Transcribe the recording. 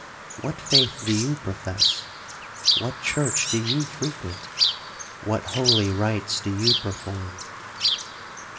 What faith do you profess?—what church do you frequent?—what holy rites do you perform?'